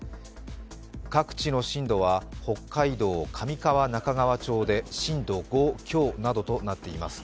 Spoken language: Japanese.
各地の震度は北海道上川中川町で震度５強などとなっています。